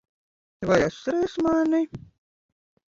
Vai atceries mani?